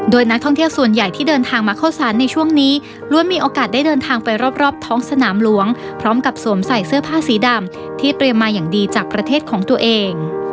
โดยนักท่องเที่ยวส่วนใหญ่ที่เดินทางมาเข้าสารในช่วงนี้ล้วนมีโอกาสได้เดินทางไปรอบท้องสนามหลวงพร้อมกับสวมใส่เสื้อผ้าสีดำที่เตรียมมาอย่างดีจากประเทศของตัวเอง